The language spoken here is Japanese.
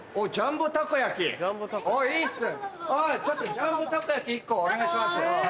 ジャンボたこ焼き１個お願いします。